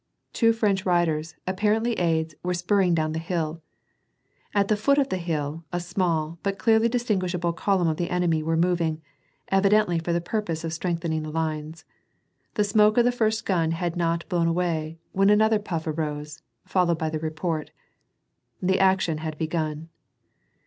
Two French riders, apparently aides, were spurring down the hilL At the foot of the hill, a small, hut clearly distinguishable column of the enemy were moving, evidently for the purpose of strengthening the lines. The smoke of the first gun had not blown away when another puff arose, followed by the report The action had begun.